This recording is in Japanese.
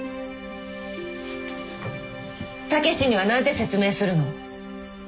武志には何て説明するの？